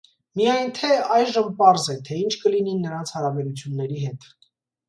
Միայն թե, այժմ պարզ է, թե ինչ կլինի նրանց հարաբերությունների հետ։